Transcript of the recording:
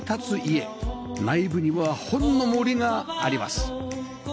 内部には本の森があります